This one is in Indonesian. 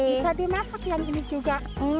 bisa dimasuk yang ini juga